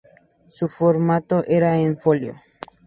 Su formato era en folio.